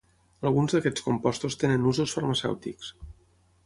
Alguns d'aquests compostos tenen usos farmacèutics.